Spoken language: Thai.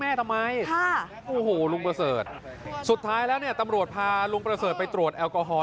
ไม่กลัวอายุเยอะแล้วติดคุกแล้วนี่อะไรคะที่มาของคำว่าวายย่อหรอ